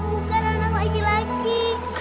bukan anak laki laki